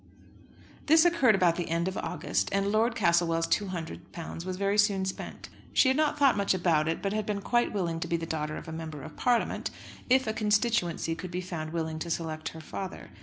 This occurred about the end of August, and Lord Castlewell's £200 was very soon spent. She had not thought much about it, but had been quite willing to be the daughter of a Member of Parliament, if a constituency could be found willing to select her father.